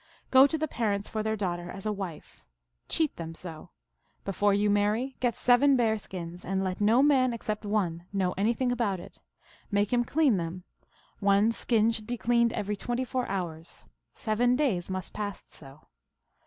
Go to the parents for their daughter as a wife. Cheat them so. Before you marry get seven bear skins, and let no man except one know anything about it. Make him clean them. One skin should be cleaned every twenty four hours. Seven days must pass so.